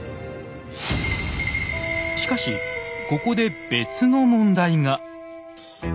しかしここで別の問題が。